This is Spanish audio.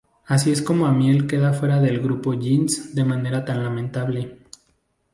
Es así como Amiel queda fuera del grupo Jeans de manera tan lamentable.